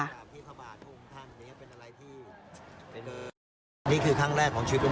จะรู้กับความตื่น